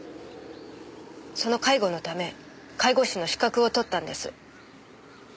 その介護のため介護士の資格を取ったんです。